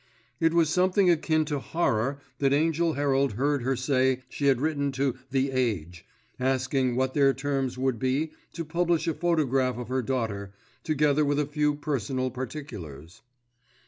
It was with something akin to horror that Angell Herald heard her say she had written to The Age, asking what their terms would be to publish a photograph of her daughter, together with a few personal particulars.